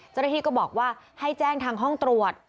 เจ้าหน้าที่ก็บอกว่าให้แจ้งทางห้องตรวจ